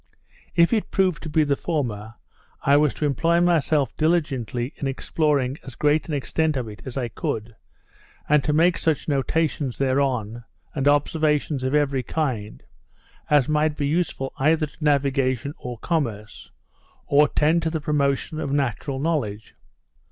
If it proved to be the former, I was to employ myself diligently in exploring as great an extent of it as I could, and to make such notations thereon, and observations of every kind, as might be useful either to navigation or commerce, or tend to the promotion of natural knowledge.